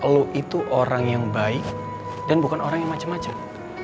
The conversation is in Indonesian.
lo itu orang yang baik dan bukan orang yang macam macam